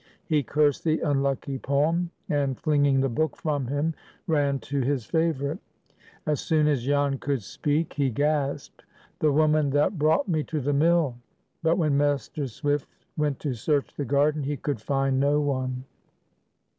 He cursed the "unlucky" poem, and flinging the book from him ran to his favorite. As soon as Jan could speak, he gasped, "The woman that brought me to the mill!" But when Master Swift went to search the garden he could find no one.